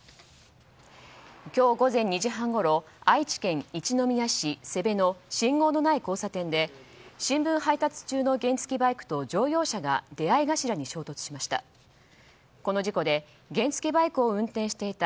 今日午前２時半ごろ愛知県一宮市瀬部の信号のない交差点で新聞配達中の原付きバイクと乗用車が出会い頭に衝突しました。